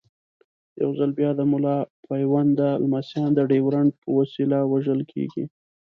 یو ځل بیا د ملا پوونده لمسیان د ډیورنډ په وسیله وژل کېږي.